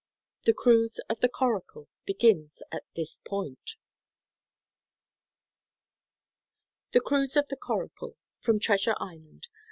"The Cruise of the Coracle" begins at this point. THE CRUISE OF THE CORACLE (From Treasure Island.)